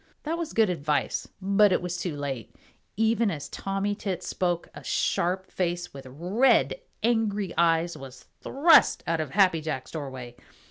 That was good advice, but it was too late. Even as Tommy Tit spoke, a sharp face with red, angry eyes was thrust out of Happy Jack's doorway.